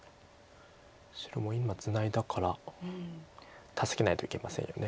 白も今ツナいだから助けないといけませんよね。